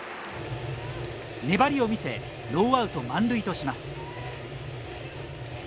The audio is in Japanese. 粘りを見せノーアウト満塁とします。